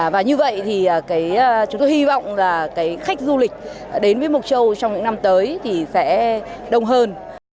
và như vậy thì chúng tôi hy vọng là cái khách du lịch đến với mộc châu trong những năm tới thì sẽ đông hơn